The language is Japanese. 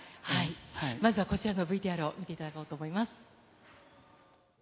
まずはこちらのＶＴＲを見ていただきたいと思います。